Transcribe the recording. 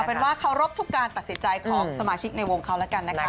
เป็นว่าเคารพทุกการตัดสินใจของสมาชิกในวงเขาแล้วกันนะคะ